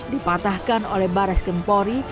dipatahkan oleh baras kempori